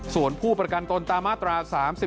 ส่วนผู้ประกันตนตามมาตรา๓๔